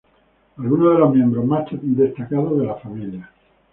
Algunos de los miembros más destacados de la familia